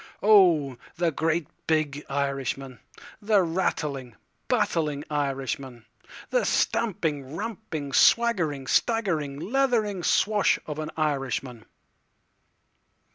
Oh, the great big Irishman, The rattling, battling Irishman—The stamping, ramping, swaggering, staggering, leathering swash of an Irishman.